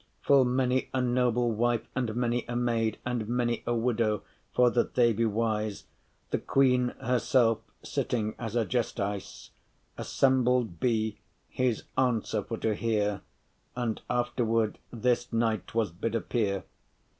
Full many a noble wife, and many a maid, And many a widow, for that they be wise, — The queen herself sitting as a justice, — Assembled be, his answer for to hear, And afterward this knight was bid appear.